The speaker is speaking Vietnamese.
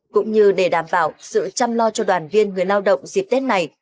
cũng như để đảm bảo sự chăm lo cho đoàn viên người lao động dịp tết này